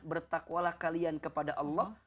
bertakwalah kalian kepada allah